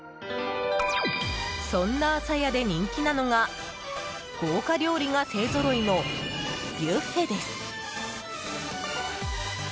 そんな、あさやで人気なのが豪華料理が勢ぞろいのビュッフェです。